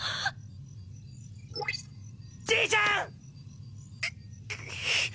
じいちゃん！